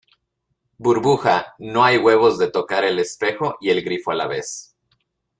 burbuja, no hay huevos de tocar el espejo y el grifo a la vez.